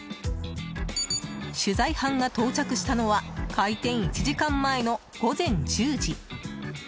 取材班が到着したのは開店１時間前の午前１０時。